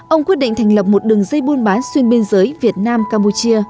ông quyết định thành lập một đường dây buôn bán xuyên biên giới việt nam campuchia